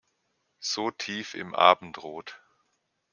So tief im Abendrot.